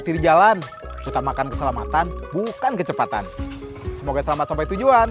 hati hati di jalan kita makan keselamatan bukan kecepatan semoga selamat sampai tujuan